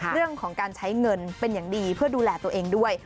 เรื่องของการใช้เงินเป็นอย่างดีเพื่อดูแลตัวเองด้วย